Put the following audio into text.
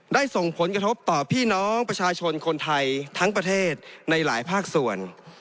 ส่งผลกระทบต่อพี่น้องประชาชนคนไทยทั้งประเทศในหลายภาคส่วน